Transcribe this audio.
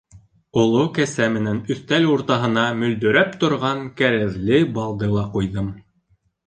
Оло кәсә менән өҫтәл уртаһына мөлдөрәп торған кәрәҙле балды ла ҡуйҙым.